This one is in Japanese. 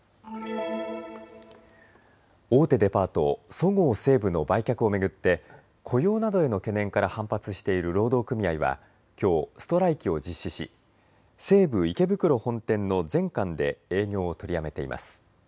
大手デパート、そごう・西武の売却を巡って雇用などへの懸念から反発している労働組合はきょうストライキを実施し西武池袋本店の全館で営業を取りやめています。